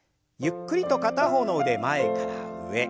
ゆっくりと片方の腕前から上。